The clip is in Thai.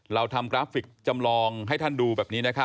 เราทำกราฟิกจำลองให้ท่านดูแบบนี้นะครับ